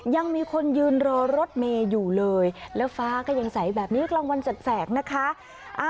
ยังมีคนยืนรอรถเมย์อยู่เลยแล้วฟ้าก็ยังใสแบบนี้กลางวันแสกนะคะ